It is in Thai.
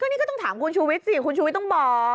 นี่ก็ต้องถามคุณชูวิทย์สิคุณชูวิทย์ต้องบอก